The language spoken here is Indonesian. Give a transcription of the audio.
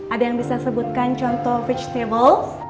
ada yang bisa sebutkan contoh vegetable